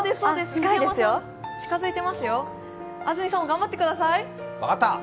近づいていますよ、安住さんも頑張ってください。